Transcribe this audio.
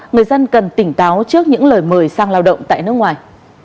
người dân cần tỉnh táo trước những lời mời sang lao động tại nước ngoài